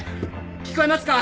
聞こえますか！